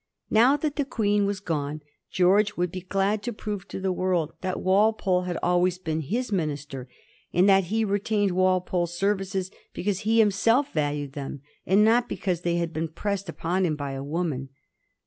Now that the Queen was gone, George would be glad to prove to the world that Walpole had always been his minister, and that he retained Walpole's services because he himself valued them, and not because they had been pressed upon him by a woman.